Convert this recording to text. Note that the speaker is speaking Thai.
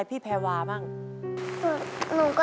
สวัสดีครับน้องเล่จากจังหวัดพิจิตรครับ